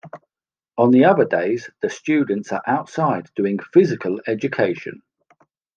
On the other days, the students are outside doing physical education.